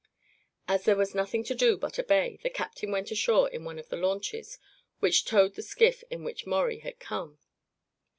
As there was nothing to do but obey, the captain went ashore in one of the launches, which towed the skiff in which Maurie had come.